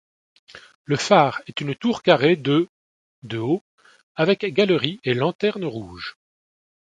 Le phare est une tour carrée de de haut, avec galerie et lanterne rouge.